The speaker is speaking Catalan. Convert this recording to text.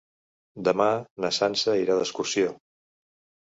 Demà na Sança irà d'excursió.